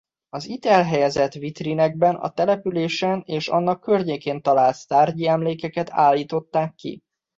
Az itt elhelyezett vitrinekben a településen és annak környékén talált tárgyi emlékeket állították ki.